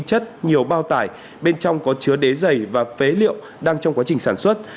chất nhiều bao tải bên trong có chứa đế dày và phế liệu đang trong quá trình sản xuất